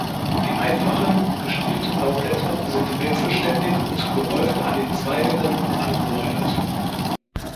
Die einfachen und gestielten Laubblätter sind wechselständig und gehäuft an den Zweigenden angeordnet.